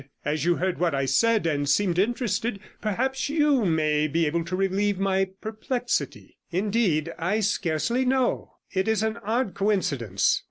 As you heard what I said, and seem interested, perhaps you may be able to relieve my perplexity?' 'Indeed, I scarcely know; it is an odd coincidence.